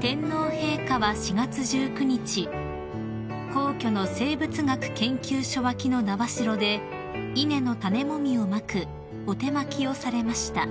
［天皇陛下は４月１９日皇居の生物学研究所脇の苗代で稲の種もみをまくお手まきをされました］